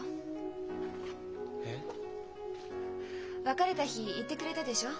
別れた日言ってくれたでしょ。